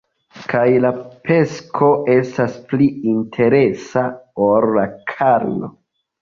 Kaj la psiko estas pli interesa ol la karno.